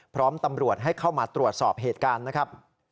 พร้อมตำรวจให้เข้ามาตรวจสอบเหตุการณ์นะครับ